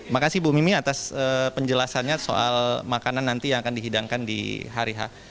makasih bu mimi atas penjelasannya soal makanan nanti yang akan dihidangkan di hari h